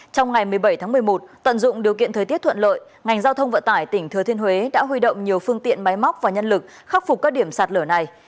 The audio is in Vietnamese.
trong ngày một mươi bảy tháng một mươi một tận dụng điều kiện thời tiết thuận lợi ngành giao thông vận tải tỉnh thừa thiên huế đã huy động nhiều phương tiện máy móc và nhân lực khắc phục các điểm sạt lở này